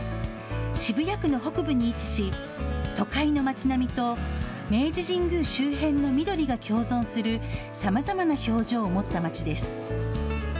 渋谷区の北部に位置し都会の町並みと明治神宮周辺の緑が共存するさまざまな表情を持った街です。